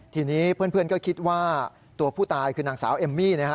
ทีนี้เพื่อนก็คิดว่าตัวผู้ตายคือนางสาวเอมมี่นะฮะ